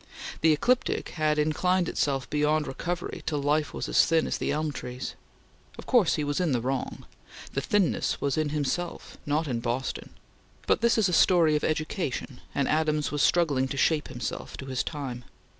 The ecliptic had inclined itself beyond recovery till life was as thin as the elm trees. Of course he was in the wrong. The thinness was in himself, not in Boston; but this is a story of education, and Adams was struggling to shape himself to his time.